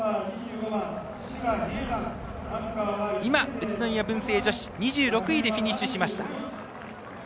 宇都宮文星女子、２６位でフィニッシュしました。